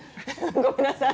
ごめんなさい。